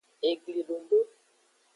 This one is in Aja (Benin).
Eglidodo.